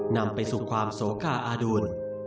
นำไปสู่ความโสกาอดุล